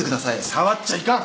触っちゃいかん。